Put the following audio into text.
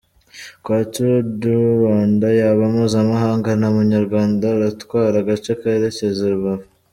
Kuva Tour du Rwanda yaba mpuzamahanga nta munyarwanda uratwara agace kerekeza I Rubavu.